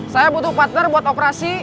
saya butuh partner buat operasi